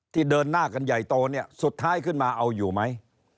เดินหน้ากันใหญ่โตเนี่ยสุดท้ายขึ้นมาเอาอยู่ไหม